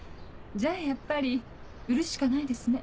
じゃあやっぱり売るしかないですね。